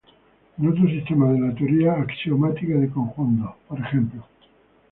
En otros sistemas de la teoría axiomática de conjuntos, p. ej.